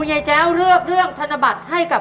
คุณยายแจ้วเลือกตอบจังหวัดนครราชสีมานะครับ